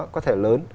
có thể lớn